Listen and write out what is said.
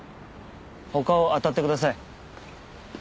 他を当たってください。